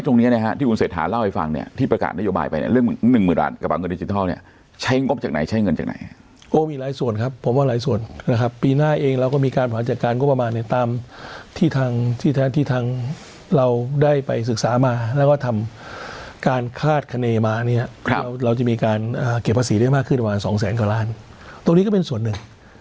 หนึ่งหมื่นล้านกระบำเงินดิจิทัลเนี้ยใช้งบจากไหนใช้เงินจากไหนโอ้มีหลายส่วนครับผมว่าหลายส่วนนะครับปีหน้าเองเราก็มีการผลัดจัดการก็ประมาณเนี้ยตามที่ทางที่ทางที่ทางเราได้ไปศึกษามาแล้วก็ทำการคลาดคณมาเนี้ยครับเราจะมีการอ่าเก็บภาษีได้มากขึ้นประมาณสองแสนกว่าล้านตรงนี้ก็เป็นส่วนหนึ่